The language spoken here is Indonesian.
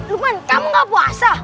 lukman kamu gak puasa